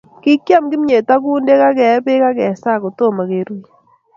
Kikiam kimyet ak kundek, kee pek akesaa kotomo keruye